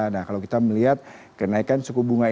nah kalau kita melihat kenaikan suku bunga